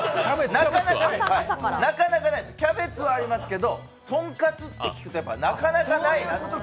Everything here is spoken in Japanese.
なかなかないです、キャベツはありますけど、トンカツって聞くと、なかなかないな。